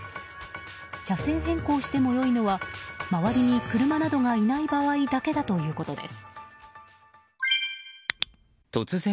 車線変更してもよいのは周りに車などがいない場合だけだということです。